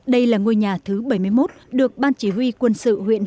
đây là ngôi nhà thứ bảy mươi một